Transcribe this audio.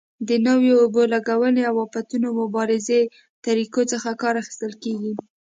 د نویو اوبه لګونې او آفتونو مبارزې طریقو څخه کار اخیستل کېږي.